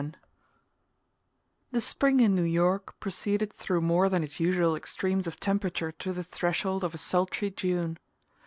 XXI The spring in New York proceeded through more than its usual extremes of temperature to the threshold of a sultry June.